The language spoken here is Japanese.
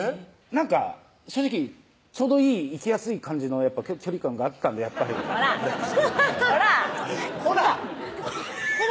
なんか正直ちょうどいいいきやすい感じの距離感があったんでやっぱりコラコラコラ！